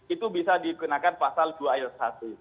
itu bisa dikenakan pasal dua ayat satu